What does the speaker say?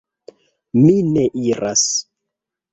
Ni ne iras.